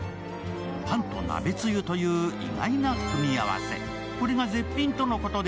パンと鍋つゆという意外な組み合わせ。